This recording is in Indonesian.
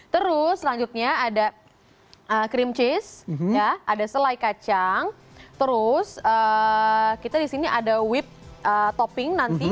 terus selanjutnya ada cream cheese ada selai kacang terus kita disini ada whip topping nanti